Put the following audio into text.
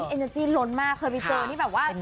เอเนอร์จี้ล้นมากเคยไปเจอนี่แบบว่า